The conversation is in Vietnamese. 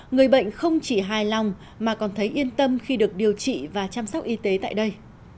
người bệnh không chỉ hài lòng mà còn thấy yên tâm khi được điều trị và chăm sóc y tế tại đây